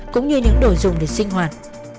cũng như những đồ dùng để sinh hoạt